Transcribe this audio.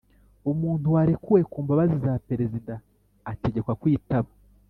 umuntu warekuwe ku mbabazi za perezida ategekwa kwitaba